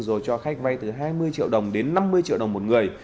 rồi cho khách vay từ hai mươi triệu đồng đến năm mươi triệu đồng một người